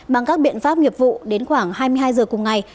bằng các biện pháp nghiệp vụ đến khoảng hai mươi hai giờ cùng ngày